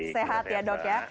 sehat ya dok ya